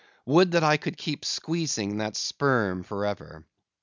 Would that I could keep squeezing that sperm for ever!